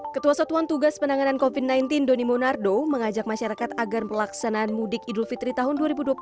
ketua satuan tugas penanganan covid sembilan belas doni monardo mengajak masyarakat agar pelaksanaan mudik idul fitri tahun dua ribu dua puluh satu